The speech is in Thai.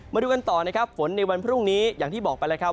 มาดูกันต่อนะครับฝนในวันพรุ่งนี้อย่างที่บอกไปแล้วครับ